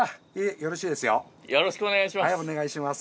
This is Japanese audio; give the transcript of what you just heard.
よろしくお願いします。